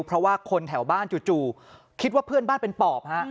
เพราะว่าคนแถวบ้านจู่คิดว่าเพื่อนบ้านเป็นปอบฮะ